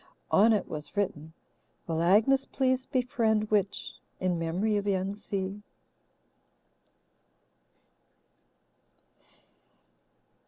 On it was written: "Will Agnes please befriend Witch in memory of Young Si?"